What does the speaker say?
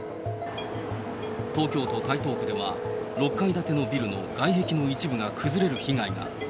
東京都台東区では、６階建てのビルの外壁の一部が崩れる被害が。